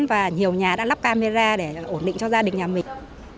và nhiều nhà đã lắp camera để ổn định cho gia đình nhà mình